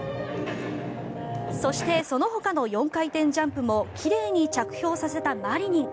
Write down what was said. そして、そのほかの４回転ジャンプも奇麗に着氷させたマリニン。